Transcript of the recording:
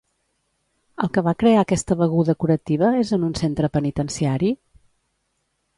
El que va crear aquesta beguda curativa és en un centre penitenciari?